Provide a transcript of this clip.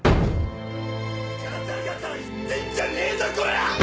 ガタガタ言ってんじゃねえぞコラ！